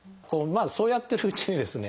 そうやってるうちにですね